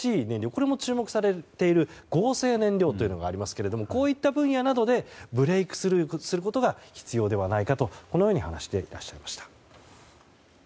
これも注目されている合成燃料がありますがこういった分野などでブレークスルーすることが必要ではないかと話していらっしゃいました。